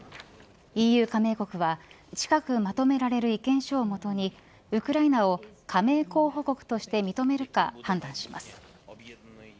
ＥＵ加盟国は近くまとめられる意見書をもとにウクライナを加盟候補国として認めるか判断します。